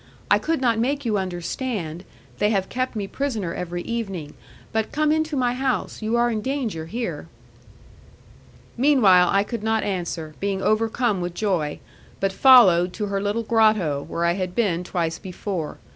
I could not make you understand they have kept me prisoner every evening: but come into my house; you are in danger here.' Meanwhile I could not answer, being overcome with joy, but followed to her little grotto, where I had been twice before.